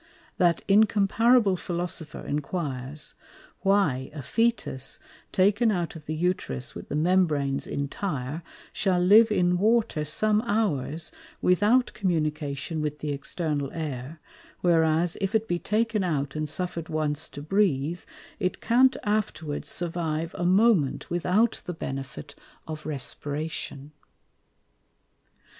That incomparable Philosopher enquires, _Why a Fœtus, taken out of the Uterus with the Membranes intire, shall live in Water some Hours without communication with the External Air; whereas if it be taken out and suffer'd once to breath, it can't afterwards survive a Moment without the benefit of Respiration.